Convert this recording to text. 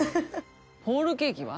ホールケーキは？